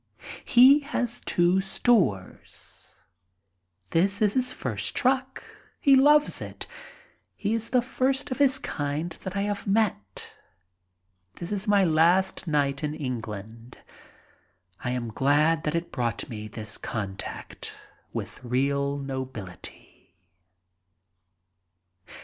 He has two stores. This is his first truck. He loves it. He is the first of his kind that I have met. This is my last night in England. I am glad that it brought me this contact with real nobility.